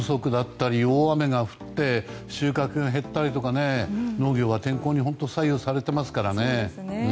日照りがあったり水不足だったり大雨が降って収穫が減ったりとか農業は本当に天候に左右されてますからね。